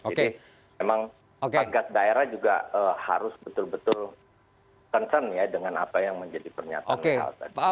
jadi memang pagat daerah juga harus betul betul concern ya dengan apa yang menjadi pernyataan